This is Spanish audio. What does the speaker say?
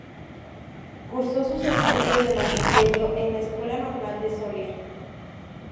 Cursó sus estudios de Magisterio en la Escuela Normal de Soria.